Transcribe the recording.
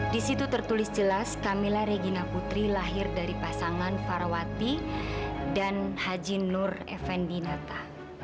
di situ tertulis jelas camilla regina putri lahir dari pasangan farawati dan haji nur effendinata